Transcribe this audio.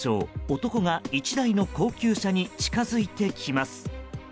男が１台の高級車に近づいてきます。